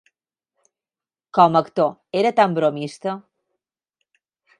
Com a actor, era tan bromista.